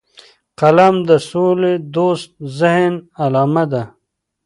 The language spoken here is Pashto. قلم د سولهدوست ذهن علامه ده